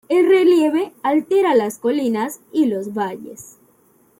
El relieve alterna las colinas y los valles.